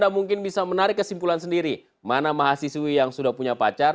ada murid pada variney pun yang men fitness transportation